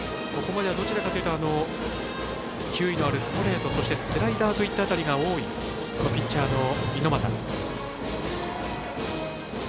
ここまではどちらかというと球威のあるストレートスライダーといった辺りが多いピッチャーの猪俣。